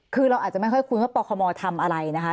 คือเราอาจจะไม่ค่อยคุ้นว่าปคมทำอะไรนะคะ